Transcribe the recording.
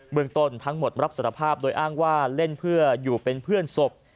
เมืองต้นทั้งหมดรับสารภาพโดยอ้างว่าเล่นเพื่ออยู่เป็นเพื่อนศพ